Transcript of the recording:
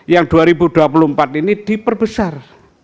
yang dua ribu dua puluh empat ini diperbesar